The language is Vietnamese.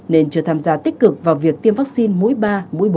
nên chưa tham gia tích cực vào việc tiêm vaccine mũi ba mũi bốn